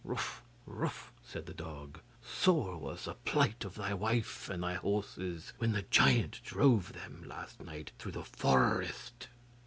'Wuf, wuf,' said the dog. 'Sore was the plight of thy wife and thy horses when the giant drove them last night through the forest.